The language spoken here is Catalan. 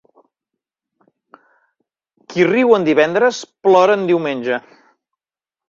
Qui riu en divendres, plora en diumenge.